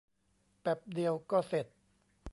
แปบเดียวก็เสร็จ